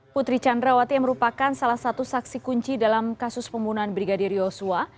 putri candrawati yang merupakan salah satu saksi kunci dalam kasus pembunuhan brigadir yosua